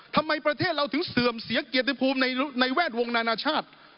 ทำไมประเทศเราถึงเสื่อมเสียเกียรติภูมิในแวดวงนานาชาติ